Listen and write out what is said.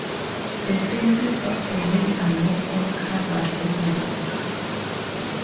The faces of the men are not all covered with masks.